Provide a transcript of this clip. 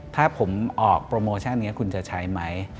ถ้าผมออกโปรโมชั่นนี้คุณจะใช้ไหม